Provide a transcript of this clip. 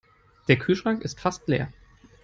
Der Kühlschrank ist fast leer.